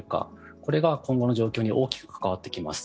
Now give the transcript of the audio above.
これが今後の状況に大きく関わってきます。